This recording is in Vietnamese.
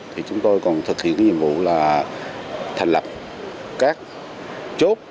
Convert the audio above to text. thì chúng tôi còn thực hiện nhiệm vụ là thành lập các chốt